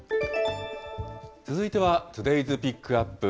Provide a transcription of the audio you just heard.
続いてはトゥデイズ・ピックアップ。